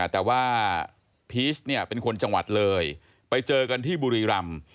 แต่ว่าพีชเนี่ยเป็นคนจังหวัดเลยไปเจอกันที่บุรีรำ